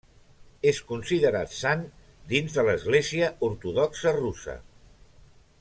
És considerat sant dins de l'Església Ortodoxa Russa.